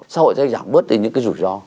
xã hội sẽ giảm bớt những cái rủi ro